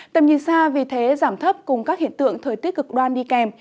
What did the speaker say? tầm nhìn xa vì thế giảm thấp cùng các hiện tượng thời tiết cực đoan đi kèm